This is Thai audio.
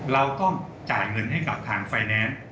เราต้องจ่ายเงินให้กับทางไฟแนนซ์